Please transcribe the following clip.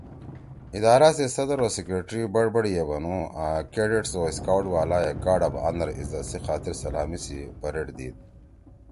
ادارہ سی صدر او سیکرٹری بڑبڑ ئے بنُو آں کیڈٹس او سکاؤٹس والا ئے )گارڈ آف آنر( عزت سی خاطر سلأمی سی پریڈ، دیِد